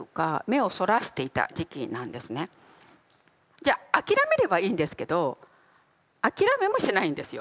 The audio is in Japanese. じゃ諦めればいいんですけど諦めもしないんですよ。